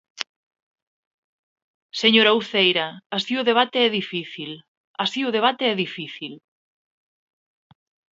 Señora Uceira, así o debate é difícil, así o debate é difícil.